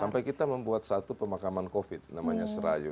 sampai kita membuat satu pemakaman covid namanya serayu